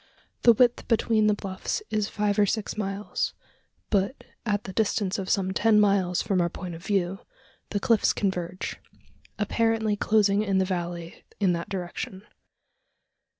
The width between the bluffs is five or six miles; but, at the distance of some ten miles from our point of view, the cliffs converge apparently closing in the valley in that direction.